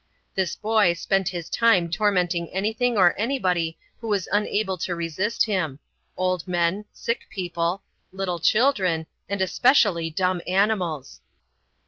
This boy spent his time tormenting anything or anybody who was unable to resist him old men, sick people, little children, and especially dumb animals.